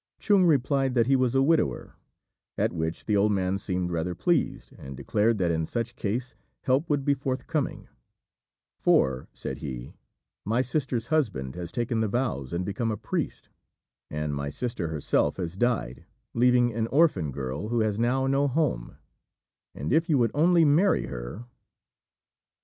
Chung replied that he was a widower; at which the old man seemed rather pleased, and declared that in such case help would be forthcoming; "for," said he, "my sister's husband has taken the vows and become a priest, and my sister herself has died, leaving an orphan girl who has now no home; and if you would only marry her...."